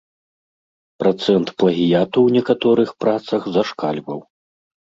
Працэнт плагіяту ў некаторых працах зашкальваў.